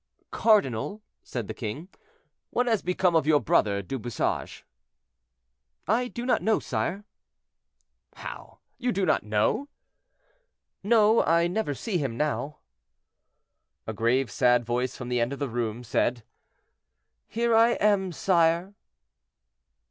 "Cardinal," said the king, "what has become of your brother, Du Bouchage?" "I do not know, sire." "How! you do not know?" "No; I never see him, now." A grave, sad voice from the end of the room said, "Here I am, sire."